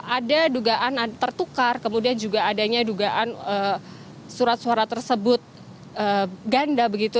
ada dugaan tertukar kemudian juga adanya dugaan surat suara tersebut ganda begitu